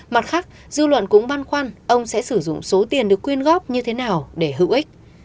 mặt khác dư luận cũng băn khoăn ông sẽ sử dụng số tiền được quyên góp như thế nào để hữu ích